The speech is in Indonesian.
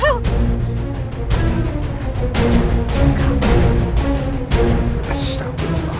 aku sangat merindukan ibunda